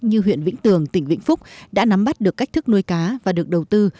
như huyện vĩnh tường tỉnh vĩnh phúc đã nắm bắt được cách thức nuôi cá và được đầu tư